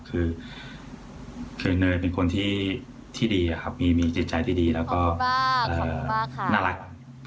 คือเนยเป็นคนที่ดีครับมีจิตใจที่ดีแล้วก็น่ารัก